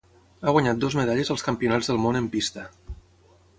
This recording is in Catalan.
Ha guanyat dues medalles als Campionats del Món en pista.